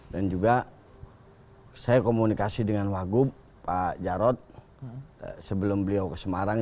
dan juga saya komunikasi dengan wagub pak jarod sebelum beliau ke semarang